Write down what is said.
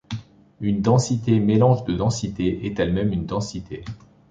Une densité mélange de densités est elle-même une densité.